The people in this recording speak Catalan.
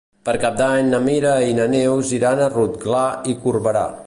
Per Cap d'Any na Mira i na Neus iran a Rotglà i Corberà.